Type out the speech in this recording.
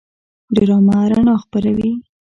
ډرامه رڼا خپروي